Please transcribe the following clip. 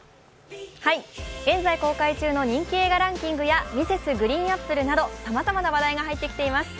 現在公開中の人気映画ランキングやＭｒｓ．ＧＲＥＥＮＡＰＰＬＥなどさまざまな話題が入ってきています。